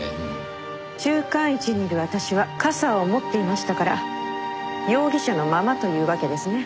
中間位置にいる私は傘を持っていましたから容疑者のままというわけですね。